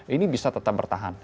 ini bisa tetap bertahan